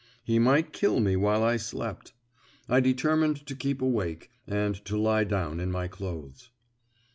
He might kill me while I slept. I determined to keep awake, and to lie down in my clothes.